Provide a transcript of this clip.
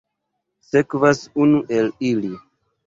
Sekvas unu el ili.